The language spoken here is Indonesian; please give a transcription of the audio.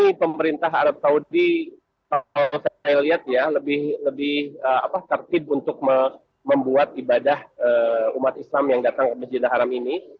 ini pemerintah arab saudi kalau saya lihat ya lebih tertib untuk membuat ibadah umat islam yang datang ke masjidil haram ini